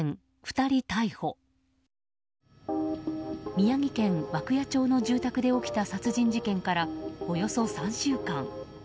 宮城県涌谷町の住宅で起きた殺人事件からおよそ３週間。